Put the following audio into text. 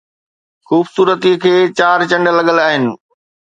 خوبصورتي کي چار چنڊ لڳل آهن